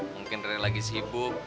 mungkin rere lagi sibuk